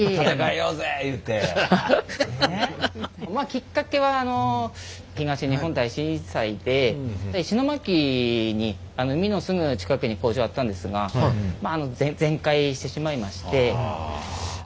きっかけは東日本大震災で石巻に海のすぐ近くに工場あったんですが全壊してしまいまして。